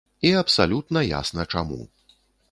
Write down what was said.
І абсалютна ясна чаму.